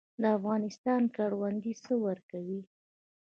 د افغانستان کروندې څه ورکوي؟